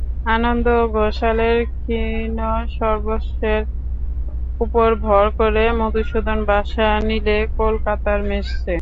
আনন্দ ঘোষালের ক্ষীণ সর্বস্বের উপর ভর করে মধুসূদন বাসা নিলে কলকাতার মেসে।